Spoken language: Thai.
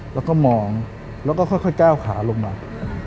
แล้วก็มองแล้วก็ค่อยก้าวขาลงมา